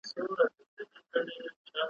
د اټک د سیند موجوکي `